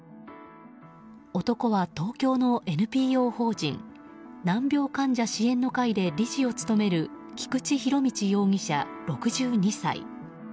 男は、東京のＮＰＯ法人難病患者支援の会で理事を務める菊池仁達容疑者、６２歳。